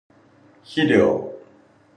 肥料